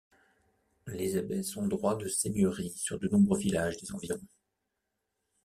Les abbesses ont droit de seigneurie sur de nombreux villages des environs.